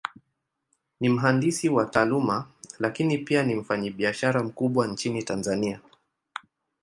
Ni mhandisi kwa Taaluma, Lakini pia ni mfanyabiashara mkubwa Nchini Tanzania.